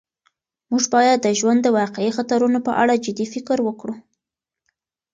موږ باید د ژوند د واقعي خطرونو په اړه جدي فکر وکړو.